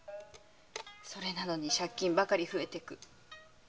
それなのに借金ばっかり増えてゆく。